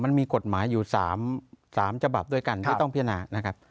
มันมีกฎหมายอยู่๓ฉบับด้วยกันที่ต้องพิจารณานะครับ